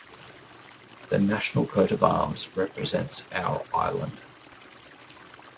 The National coat of arms represents our island.